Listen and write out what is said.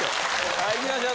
はいいきましょう。